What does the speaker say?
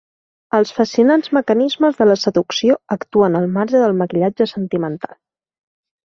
Els fascinants mecanismes de la seducció actuen al marge del maquillatge sentimental.